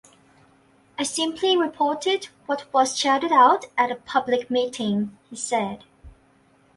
"I simply reported what was shouted out at a public meeting", he said.